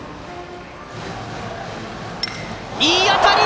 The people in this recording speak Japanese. いい当たり！